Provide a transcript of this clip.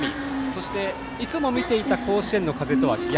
そして、いつも見ていた甲子園の風とは逆。